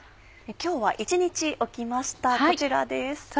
今日は１日置きましたこちらです。